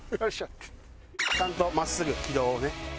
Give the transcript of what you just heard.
ちゃんと真っすぐ軌道をね。